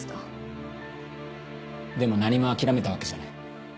でも何も諦めたわけじゃない。